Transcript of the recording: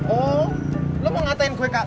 oh lu mau ngatain gue kak